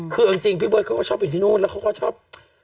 คือเอาจริงพี่เบิร์ตเขาก็ชอบอยู่ที่นู่นแล้วเขาก็ชอบ